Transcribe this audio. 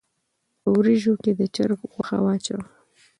په وريژو کښې د چرګ غوښه واچوه